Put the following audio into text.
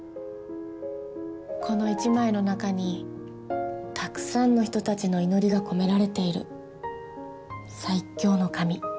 この一枚の中にたくさんの人たちの祈りが込められている最強の紙。